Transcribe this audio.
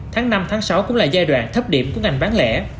tháng năm tháng sáu cũng là giai đoạn thấp điểm của ngành bán lẻ